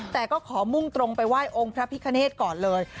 แต่ก็ขอมุ่งตรงไปไหว้องค์พระพิคเนธก่อนเลย